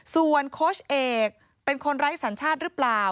ส่วนโค้ชเอกเป็นคนไร้สัญชาติหรือเปล่า